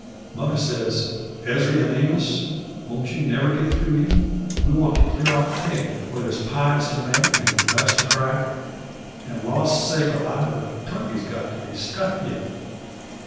Mother says, 'Ezry an' Amos, won't you never get through eatin'? We want to clear off the table, for there's pies to make, an' nuts to crack, and laws sakes alive! the turkey's got to be stuffed yit!'